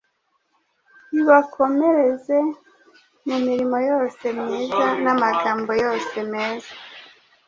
ibakomereze mu mirimo yose myiza, n’amagambo yose meza.